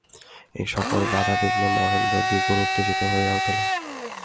এই-সকল বাধাবিঘ্নে মহেন্দ্র দ্বিগুণ উত্তেজিত হইয়া উঠিল।